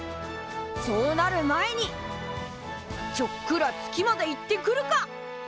そうなる前にちょっくら月まで行ってくるか！